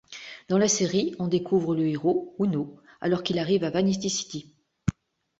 Dans la série, on découvre le héros, Uno, alors qu'il arrive à Vanity City.